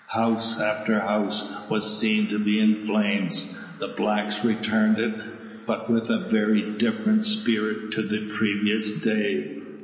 House after house was seen to be in flames. The blacks returned it, but with very different spirits to the previous day.